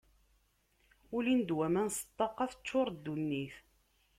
Ulin-d waman s ṭṭaqa, teččuṛ ddunit.